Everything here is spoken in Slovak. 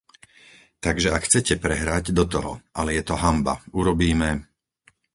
Takže ak chcete prehrať, do toho, ale je to hanba, urobíme...